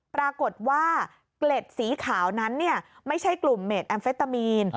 ปรากฏว่าเกล็ดสีขาวนั้นไม่ใช่กลุ่มเมดแอมเฟตามีน